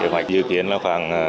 kế hoạch dự kiến là khoảng